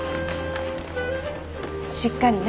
しっかりな。